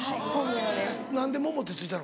何でモモって付いたの？